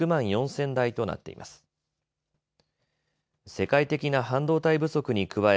世界的な半導体不足に加え